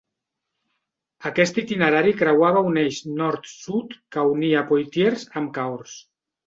Aquest itinerari creuava un eix nord-sud que unia Poitiers amb Cahors.